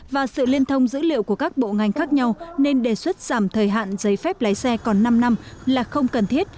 và sự liên thông dữ liệu của các bộ ngành khác nhau nên đề xuất giảm thời hạn giấy phép lái xe còn năm năm là không cần thiết